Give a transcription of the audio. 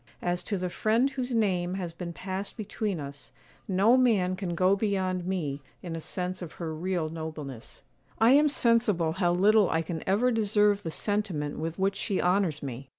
As to the friend whose name has been passed between us, no man can go beyond me in a sense of her real nobleness; I am sensible how little I can ever deserve the sentiment with which she honours me.